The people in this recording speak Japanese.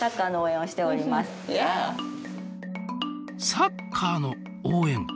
サッカーの応援？